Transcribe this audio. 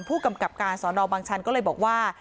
ผู้กำกับการสอนอบังชันก็เลยบอกว่า